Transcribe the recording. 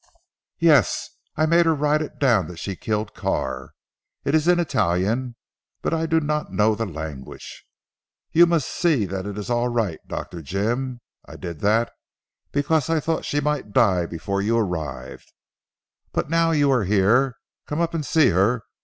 "Yes. I made her write it down that she killed Carr. It is in Italian but I do not know the language. You must see that it is all right Dr. Jim. I did that because I thought she might die before you arrived. But now that you are here, come up and see her.